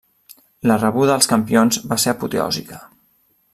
La rebuda als campions va ser apoteòsica.